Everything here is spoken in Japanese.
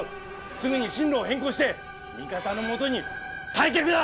すぐに進路を変更して味方のもとに退却だ！